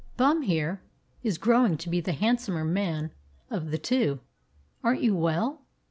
Bum here is growing to be the handsomer man of the two. Aren't you well?"